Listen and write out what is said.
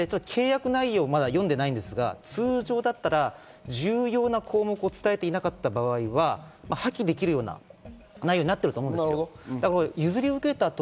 契約内容をまだ読んでないですが、通常だったら重要な項目を伝えていなかった場合は破棄できるような内容になっていると思うんです。